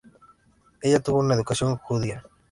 Ella tuvo una educación judía.